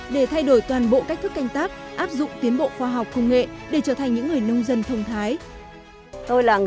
để thay đổi toàn bộ cách thức canh tác áp dụng tiến bộ khoa học công nghệ để trở thành những người nông dân thông thái